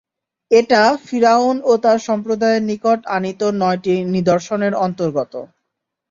এটা ফিরআউন ও তার সম্প্রদায়ের নিকট আনীত নয়টি নিদর্শনের অন্তর্গত।